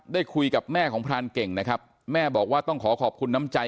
ได้คุยกับแม่ของพรานเก่งนะครับแม่บอกว่าต้องขอขอบคุณน้ำใจ